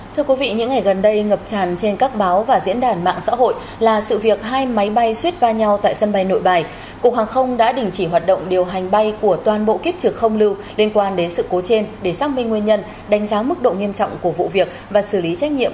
các bạn hãy đăng ký kênh để ủng hộ kênh của chúng mình nhé